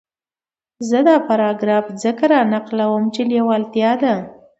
زه دا پاراګراف ځکه را نقلوم چې لېوالتیا ده.